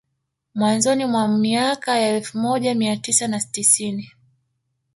Mwanzoni mwa miaka ya elfu moja mia tisa na tisini